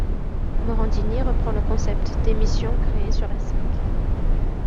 Morandini reprend le concept d'émission créée sur la Cinq.